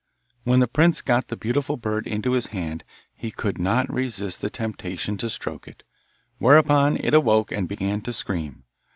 When the prince got the beautiful bird into his hand he could not resist the temptation to stroke it, whereupon it awoke and began to scream.